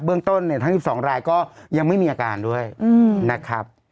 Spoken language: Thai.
เรื่องต้นเนี่ยทั้ง๑๒รายก็ยังไม่มีอาการด้วยนะครับ